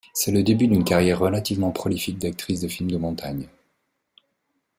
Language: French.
C’est le début d’une carrière relativement prolifique d’actrice de films de montagne.